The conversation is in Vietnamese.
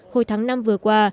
hồi tháng năm vừa qua